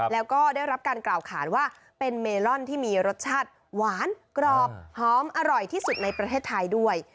แล้วก็ได้รับการกล่าวขาดว่าเป็นเมลอนที่มีรสชาติหวานกรอบหอมอร่อยที่สุดในประเทศไทยด้วย